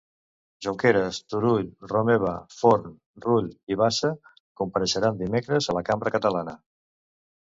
Junqueras, Turull, Romeva, Forn, Rull i Bassa compareixeran dimecres a la cambra catalana.